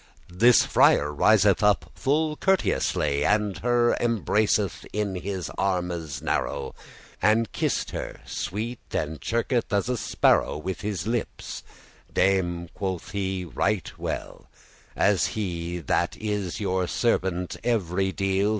This friar riseth up full courteously, And her embraceth *in his armes narrow,* *closely And kiss'th her sweet, and chirketh as a sparrow With his lippes: "Dame," quoth he, "right well, As he that is your servant every deal.